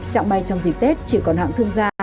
trạng bay trong dịp tết chỉ còn hạng thương gia